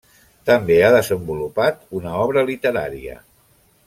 També ha desenvolupat una obra literària.